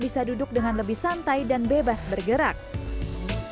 bisa duduk dengan lebih santai dan bebas bergerak pastikan punggung anak bersandar pada bangku atau